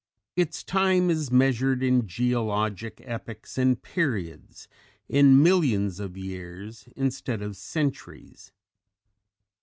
Its time is measured in geologic epochs and periods, in millions of years instead of centuries.